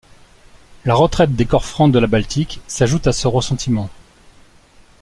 La retraite des corps francs de la Baltique s’ajoute à ce ressentiment.